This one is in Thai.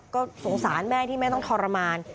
ก็สงสารแม่ที่แม่ต้องทรมาน